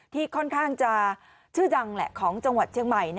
ที่ค่อนข้างจะชื่อดังแหละของจังหวัดเชียงใหม่